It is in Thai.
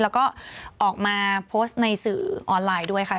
แล้วก็ออกมาโพสต์ในสื่อออนไลน์ด้วยค่ะ